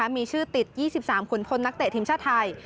มีชื่อติด๒๓ขุนพลนักเตะทีมชาติไทย